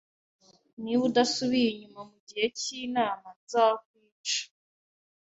Niba udasubiye inyuma mugihe cyinama, nzakwica